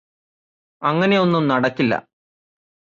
അങ്ങനെയൊന്നും നടക്കില്ലാ